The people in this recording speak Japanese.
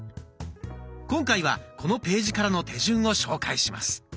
今回はこのページからの手順を紹介します。